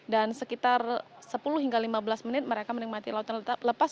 dan sekitar sepuluh hingga lima belas menit mereka menikmati lautan lepas